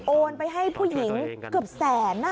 โอนไปให้ผู้หญิงเกือบแสน